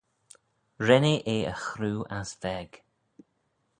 Ren eh eh y chroo ass veg.